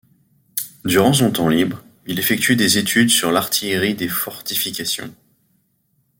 Durant son temps libre, il effectue des études sur l’artillerie des fortifications.